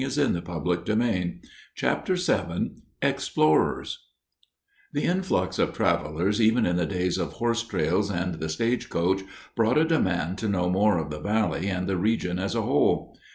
[Illustration: Horse drawn stagecoach] CHAPTER VII EXPLORERS The influx of travelers even in the days of horse trails and the stagecoach brought a demand to know more of the valley and the region as a whole.